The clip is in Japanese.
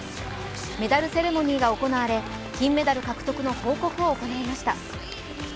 メダルセレモニーが行われ、金メダル獲得の報告を行いました。